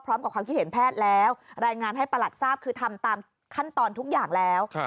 ความคิดเห็นแพทย์แล้วรายงานให้ประหลัดทราบคือทำตามขั้นตอนทุกอย่างแล้ว